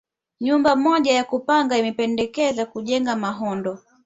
Nyumba moja ya kupanga imependekezwa kujengwa Mahondo